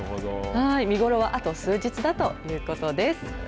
見頃はあと数日だということです。